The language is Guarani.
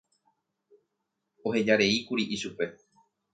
ohejareíkuri ichupe